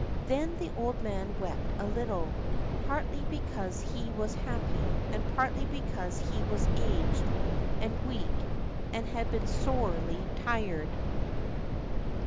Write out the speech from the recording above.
Then the old man wept a little, partly because he was happy, and partly because he was aged and weak and had been sorely tried.